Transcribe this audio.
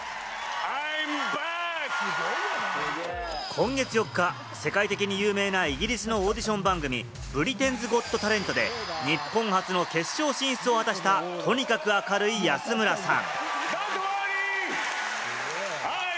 今月４日、世界的に有名なイギリスのオーディション番組『ブリテンズ・ゴット・タレント』で日本初の決勝進出を果たした、とにかく明るい安村さん。